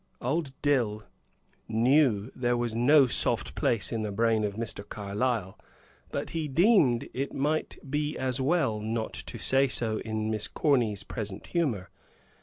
Old Dill knew there was no "soft place" in the brain of Mr. Carlyle, but he deemed it might be as well not to say so, in Miss Corny's present humor.